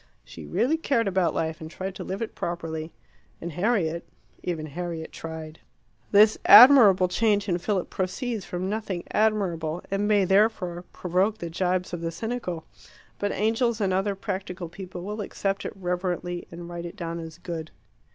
She really cared about life, and tried to live it properly. And Harriet even Harriet tried. This admirable change in Philip proceeds from nothing admirable, and may therefore provoke the gibes of the cynical. But angels and other practical people will accept it reverently, and write it down as good.